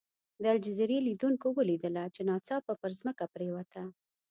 د الجزیرې لیدونکو ولیدله چې ناڅاپه پر ځمکه پرېوته.